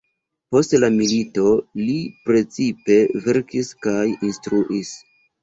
Post la milito li precipe verkis kaj instruis.